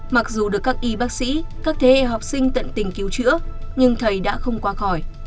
mặc dù được các y bác sĩ các thế hệ học sinh tận tình cứu chữa nhưng thầy đã không qua khỏi